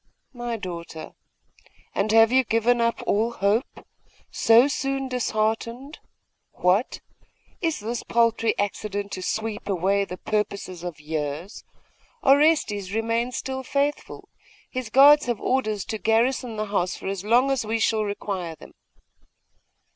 'My daughter! And have you given up all hope? So soon disheartened! What! Is this paltry accident to sweep away the purposes of years? Orestes remains still faithful. His guards have orders to garrison the house for as long as we shall require them.